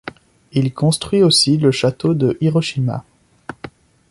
Il construit aussi le château de Hiroshima.